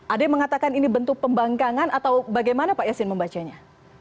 ada yang mengatakan ini bentuk pembangkangan atau bagaimana pak yasin membacanya